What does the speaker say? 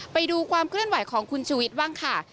ไปดูความกล้านไหวของคุณชุวิตบ้างค่ะ